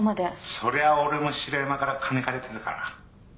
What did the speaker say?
そりゃ俺も城山から金借りてたから。